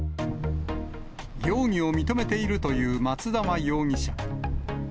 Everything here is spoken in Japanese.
容疑を認めているという松沢容疑者。